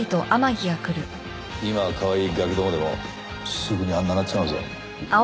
今はかわいいガキどもでもすぐにあんななっちまうぞ。